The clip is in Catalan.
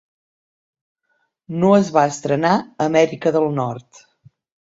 No es va estrenar a Amèrica del Nord.